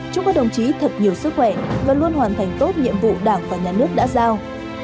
chúc các đồng chí thật nhiều sức khỏe và luôn hoàn thành tốt nhiệm vụ đảng và nhà nước đã giao